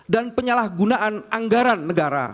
dan penyalahgunaan anggaran negara